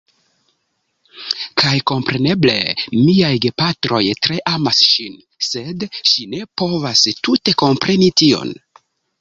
Kaj kompreneble, miaj gepatroj tre amas ŝin, sed ŝi ne povas tute kompreni tion